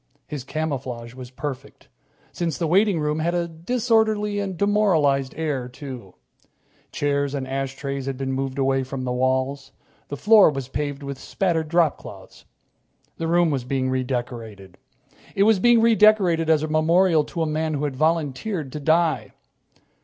His camouflage was perfect, since the waiting room had a disorderly and demoralized air, too. Chairs and ashtrays had been moved away from the walls. The floor was paved with spattered dropcloths. The room was being redecorated. It was being redecorated as a memorial to a man who had volunteered to die.